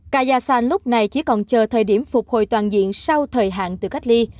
kazasan lúc này chỉ còn chờ thời điểm phục hồi toàn diện sau thời hạn từ cách ly